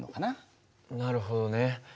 なるほどね。